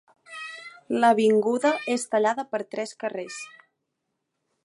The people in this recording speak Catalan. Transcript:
L'avinguda és tallada per tres carrers.